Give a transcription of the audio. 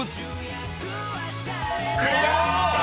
［クリア！］